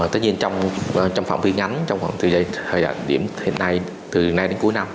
tất nhiên trong phạm vi ngắn trong khoảng thời gian điểm hiện nay từ nay đến cuối năm